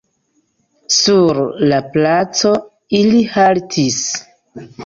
Sur la placo ili haltis.